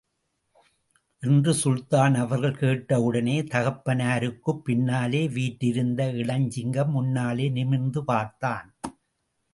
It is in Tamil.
என்று சுல்தான் அவர்கள் கேட்டவுடனே, தகப்பனாருக்குப் பின்னாலே வீற்றிருந்த இளஞ்சிங்கம் முன்னாலே நிமிர்ந்து பார்த்தான்.